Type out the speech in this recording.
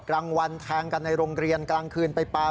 กลางวันแทงกันในโรงเรียนกลางคืนไปปลา